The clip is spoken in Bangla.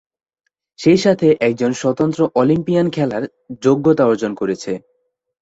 সেই সাথে একজন স্বতন্ত্র অলিম্পিয়ান খেলার যোগ্যতা অর্জন করেছে।